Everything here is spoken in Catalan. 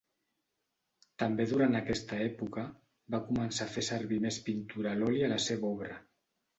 També durant aquesta època, va començar a fer servir més pintura a l'oli a la seva obra.